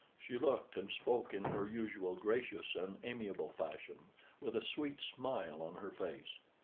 She looked and spoke in her usual gracious and amiable fashion, with a sweet smile on her face.